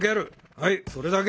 はいそれだけ。